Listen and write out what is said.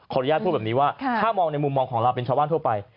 อนุญาตพูดแบบนี้ว่าถ้ามองในมุมมองของเราเป็นชาวบ้านทั่วไป